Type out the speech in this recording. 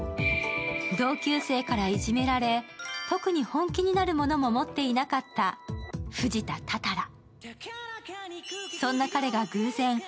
同級生からいじめられ、特に本気になるものも持っていなかった冨士田多々良。